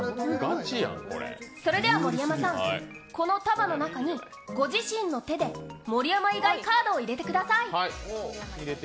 それでは、盛山さん、この束の中にご自身の手で「盛山以外」カードを入れてください。